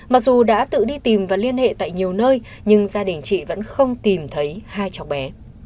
mặc dù đã tự đi tìm và liên hệ tại nhiều nơi nhưng gia đình chị vẫn không tìm thấy hai cháu bé